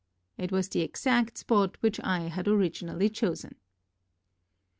It was the exact spot which I had originally chosen.